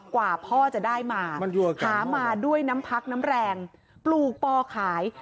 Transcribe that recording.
กว่าพ่อจะได้มาหามาด้วยน้ำพักน้ำแรงปลูกปอขาย